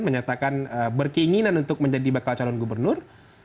menyatakan berkeinginan untuk menjadi bakal calon gubernur